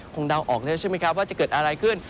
คงดาวออกนะใช่มั้ยครับว่าจะเกิดอะไรขึ้น